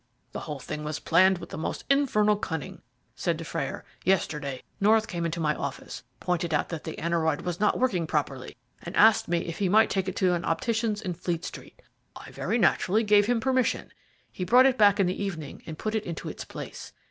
"The whole thing was planned with the most infernal cunning," said Dufrayer. "Yesterday, North came into my office, pointed out that the aneroid was not working properly, and asked me if he might take it to an optician's in Fleet Street. I very naturally gave him permission. He brought it back in the evening and put it into its place.